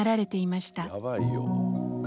やばいよ。